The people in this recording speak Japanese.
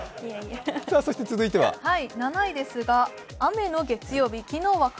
７位ですが、雨の月曜日。